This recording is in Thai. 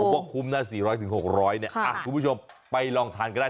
ผมว่าคุมตัวหน้าสี่ร้อยถึงหกร้อยเนี้ยอ่ะคุณผู้ชมไปลองทานก็ได้